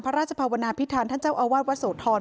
พระราชพาวนาพิทานท่านเจ้าอาว่าสวทร